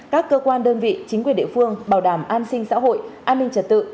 các cơ quan đơn vị chính quyền địa phương bảo đảm an sinh xã hội an ninh trật tự